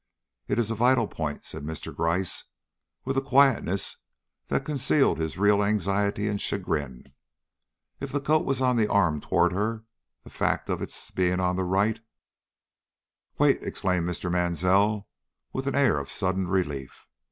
"It is a vital point," said Mr. Gryce, with a quietness that concealed his real anxiety and chagrin. "If the coat was on the arm toward her, the fact of its being on the right " "Wait!" exclaimed Mr. Mansell, with an air of sudden relief.